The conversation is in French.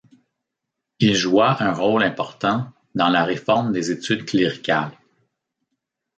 Il joua un rôle important dans la réforme des études cléricales.